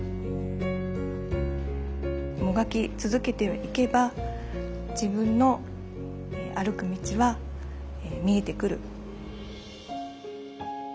もがき続けていけば自分の歩く道は見えてくる。